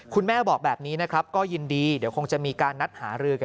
คุณแม่บอกแบบนี้นะครับก็ยินดีเดี๋ยวคงจะมีการนัดหารือกัน